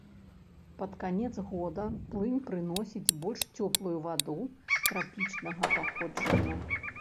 Пад канец года, плынь прыносіць больш цёплую ваду, трапічнага паходжання.